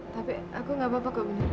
tapi aku gak apa apa kok